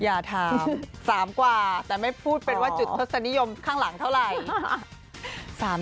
อย่าทำ๓กว่าแต่ไม่พูดเป็นว่าจุดทศนิยมข้างหลังเท่าไหร่